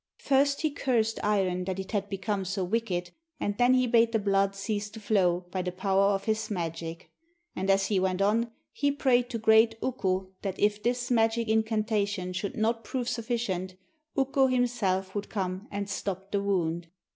First he cursed Iron that it had become so wicked, and then he bade the blood cease to flow by the power of his magic. And as he went on he prayed to great Ukko that if this magic incantation should not prove sufficient, Ukko himself would come and stop the wound.